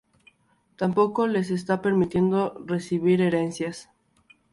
Tampoco les está permitido recibir herencias.